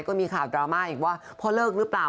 ก็มีข่าวดราม่าอีกว่าพ่อเลิกหรือเปล่า